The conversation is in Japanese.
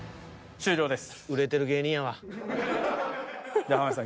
終了です。